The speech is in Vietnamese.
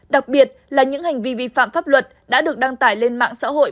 đặc biệt là những hành vi vi phạm pháp luật đã được đăng tải lên mạng xã hội